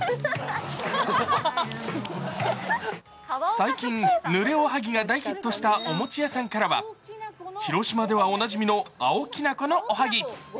最近、ぬれおはぎが大ヒットしたお餅屋さんからは、広島ではおなじみの青きなこのおはぎ。